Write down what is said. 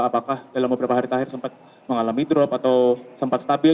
apakah dalam beberapa hari terakhir sempat mengalami drop atau sempat stabil